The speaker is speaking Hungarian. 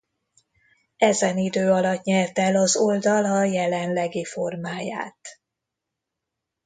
Ezen idő alatt nyerte el az oldal a jelenlegi formáját.